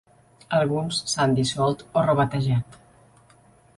Alguns s'han dissolt o rebatejat.